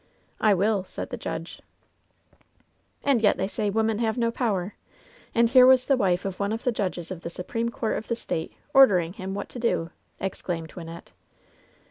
" 'I wiU,' said the judge." "And yet they say women have no power! And here was the wife of one of the judges of the supreme court of the State, ordering him what to do!" exclaimed Wynnette.